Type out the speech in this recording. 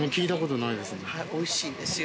おいしいですよ。